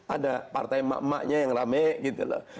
ada partai emak emaknya yang rame gitu loh